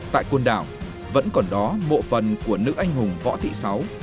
tại côn đảo vẫn còn đó mộ phần của nữ anh hùng võ thị sáu